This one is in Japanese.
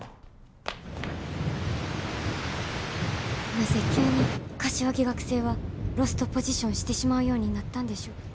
なぜ急に柏木学生はロストポジションしてしまうようになったんでしょう。